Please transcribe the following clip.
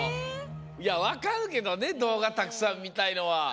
いやわかるけどねどうがたくさんみたいのは。